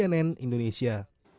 afandi widadi nata cnn indonesia